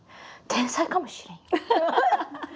「天才かもしれん。